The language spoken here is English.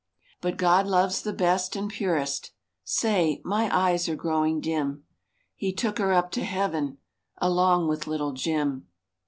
But God loves the best and purest,— Say, my eyes are growing dim— He took her up to Heaven Along with Little Jim!